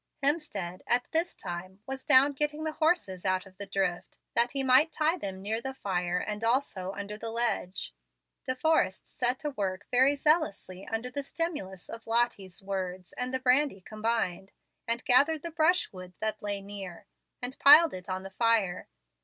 Hemstead, at this time, was down getting the horses out of the drift, that he might tie them near the fire and also under the ledge. De Forrest set to work very zealously under the stimulus of Lottie's words and the brandy combined, and gathered the brush wood that lay near, and piled it on the fire.